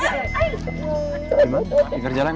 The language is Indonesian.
gimana pinggir jalan ya